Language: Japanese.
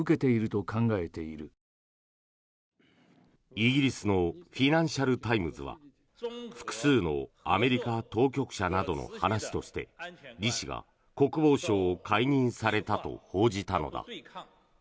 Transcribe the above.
イギリスのフィナンシャル・タイムズは複数のアメリカ当局者などの話としてリ氏が国防相を解任されたと報じたのだ。